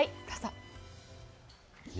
どうぞ。